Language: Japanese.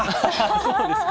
そうですか？